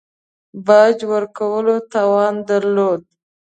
باج ورکولو توان درلود.